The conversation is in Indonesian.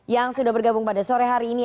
yang sudah bergabung pada sore hari ini